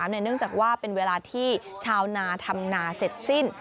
เนื่องจากว่าเป็นเวลาที่ชาวนาทำนาเสร็จสิ้น